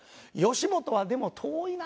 吉本はでも遠いな。